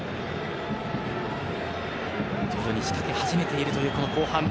徐々に仕掛け始めている後半。